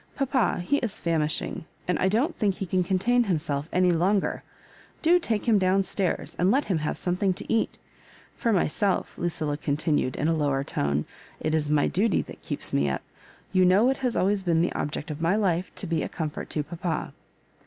Papa, he is famishing, and I don't think he can contain himself any longer. Do take him down stairs, and let him have some thing to eat For myself," Lucilla continued, in a lower tone, ''it is my duty that keeps me up. You know it has always been the object of my life to be a comfort to papa."